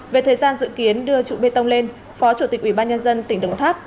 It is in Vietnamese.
về thời gian dự kiến đưa trụ bê tông lên phó chủ tịch ủy ban nhân dân tỉnh đồng tháp